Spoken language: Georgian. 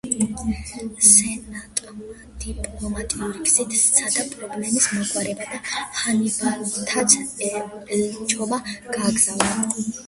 სენატმა დიპლომატიური გზით სცადა პრობლემის მოგვარება და ჰანიბალთან ელჩობა გააგზავნა.